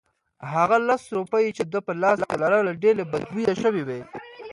هغه لس روپۍ چې ده په لاس کې لرلې ډېرې بدبویه شوې وې.